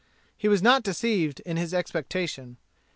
He was not deceived in his expectation.